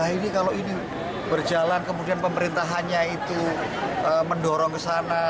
kemudian berjalan kemudian pemerintah hanya itu mendorong ke sana